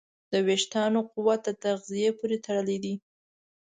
د وېښتیانو قوت د تغذیې پورې تړلی دی.